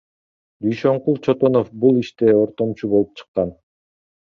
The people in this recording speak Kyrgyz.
Дүйшөнкул Чотонов бул иште ортомчу болуп чыккан.